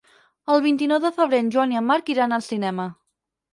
El vint-i-nou de febrer en Joan i en Marc iran al cinema.